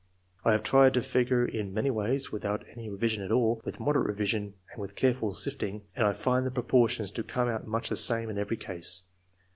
I have tried the figures in many ways — without any revision at all, with moderate revision, and with careful sifting, and I find the proportions to come out much the same in every case.